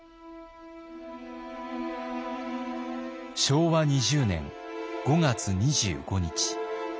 昭和２０年５月２５日。